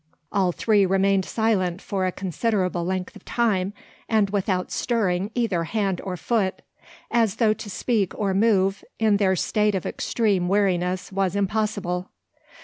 All three remained silent for a considerable length of time, and without stirring either hand or foot, as though to speak or move in their state of extreme weariness was impossible.